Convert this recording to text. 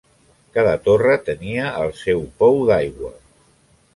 Cada torre tenia el seu pou d'aigua.